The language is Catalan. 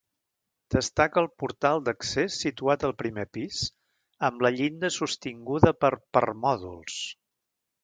Destaca el portal d'accés situat al primer pis, amb la llinda sostinguda per permòdols.